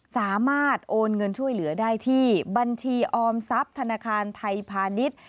สามารถโอนเงินช่วยเหลือได้ที่บัญชีออมทรัพย์ธนาคารไทยพาณิชย์